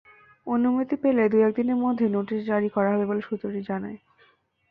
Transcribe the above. অনুমতি পেলে দু-এক দিনের মধ্যে নোটিশ জারি করা হবে বলে সূত্রটি জানায়।